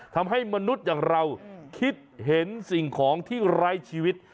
ทำให้มนุษย์อย่างเราคิดเห็นสิ่งของที่ไร้ชีวิต